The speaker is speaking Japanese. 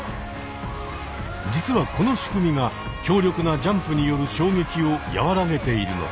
実はこの仕組みが強力なジャンプによる衝撃をやわらげているのだ。